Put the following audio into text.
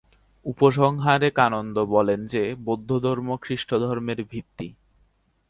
উপসংহারে কানন্দ বলেন যে, বৌদ্ধধর্ম খ্রীষ্টধর্মের ভিত্তি।